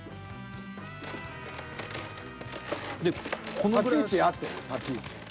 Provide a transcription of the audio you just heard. これ立ち位置やって立ち位置。